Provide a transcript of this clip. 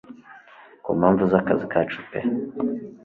kumpamvu zakazi kacu pe